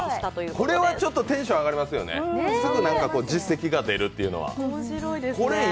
これはちょっとテンション上がりますよね、すぐ実績が出るというのは。